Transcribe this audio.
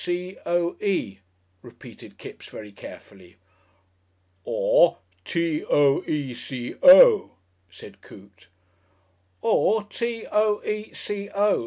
C. O. E.," repeated Kipps very carefully. "Or T. O. E. C. O.," said Coote. "Or T. O. E. C. O.